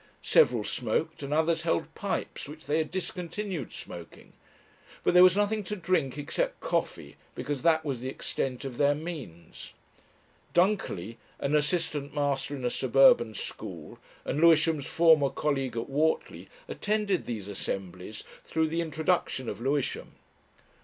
Several smoked and others held pipes which they had discontinued smoking but there was nothing to drink, except coffee, because that was the extent of their means. Dunkerley, an assistant master in a suburban school, and Lewisham's former colleague at Whortley, attended these assemblies through the introduction of Lewisham.